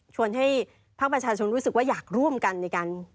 ให้ภาคประชาชนรู้สึกว่าอยากร่วมกันในการ